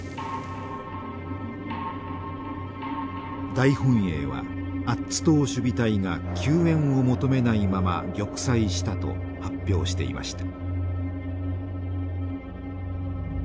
大本営はアッツ島守備隊が救援を求めないまま玉砕したと発表していました。